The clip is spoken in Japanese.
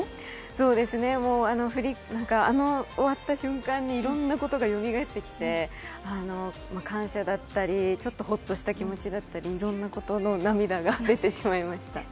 そうですね、あの終わった瞬間にいろんなことが盛り上がってきて、感謝だったり、ちょっとホッとした気持ちだったり、いろいろなことの涙が出てしまいました。